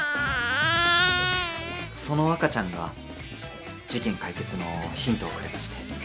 ・その赤ちゃんが事件解決のヒントをくれまして。